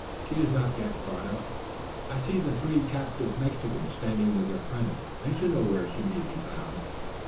She is not yet brought up. I see the three captive Mexicans standing with their friends. They should know where she may be found.